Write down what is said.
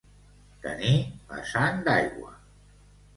Tenir la sang d'aigua.